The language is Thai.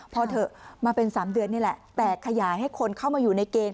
พอเถอะมาเป็น๓เดือนนี่แหละแต่ขยายให้คนเข้ามาอยู่ในเกณฑ์